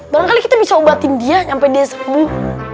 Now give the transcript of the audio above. barangkali kita bisa obatin dia sampai dia sembuh